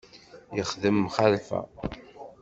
Yexdem mxalfa.